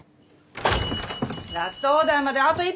ラストオーダーまであと１分！